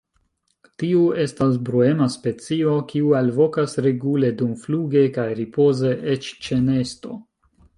Tiu estas bruema specio, kiu alvokas regule dumfluge kaj ripoze, eĉ ĉe nesto.